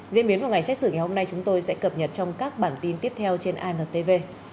diễn biến của ngày xét xử ngày hôm nay chúng tôi sẽ cập nhật trong các bản tin tiếp theo trên intv